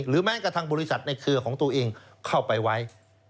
แม้กระทั่งบริษัทในเครือของตัวเองเข้าไปไว้